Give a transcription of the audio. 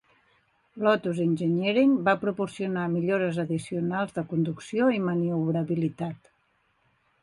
Lotus Engineering va proporcionar millores addicionals de conducció i maniobrabilitat.